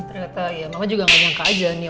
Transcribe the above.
ternyata ya mama juga gak nyangka aja nih